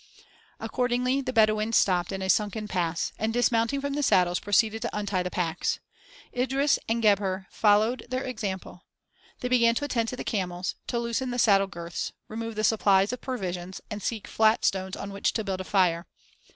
Accordingly the Bedouins stopped in a sunken pass, and dismounting from the saddles, proceeded to untie the packs. Idris and Gebhr followed their example. They began to attend to the camels, to loosen the saddle girths, remove the supplies of provisions, and seek flat stones on which to build a fire.